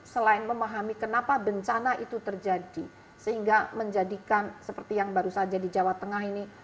selain memahami kenapa bencana itu terjadi sehingga menjadikan seperti yang baru saja di jawa tengah ini